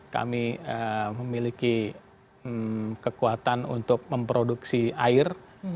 kami memiliki kekuatan untuk memproduksi air